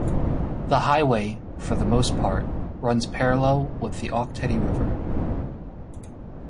The highway, for the most part, runs parallel with the Ok Tedi River.